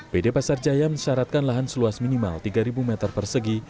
pd pasar jaya mensyaratkan lahan seluas minimal tiga meter persegi